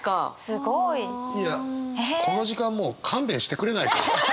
すごい！いやこの時間もう勘弁してくれないか。